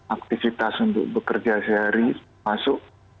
aktivitas untuk bekerja sehari masuk